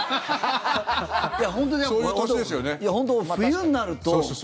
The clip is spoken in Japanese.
本当に冬になると。